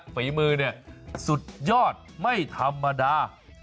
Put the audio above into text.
ฝีมือสุดยอดไม่ธรรมดา